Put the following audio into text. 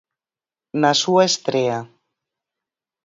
Na súa estrea.